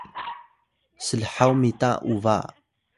slhaw mita uba